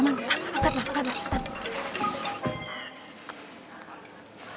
nah angkatlah angkatlah